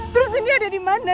terus ini ada dimana